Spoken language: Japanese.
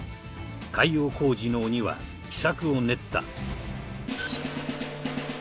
海洋工事の鬼は秘策を練った。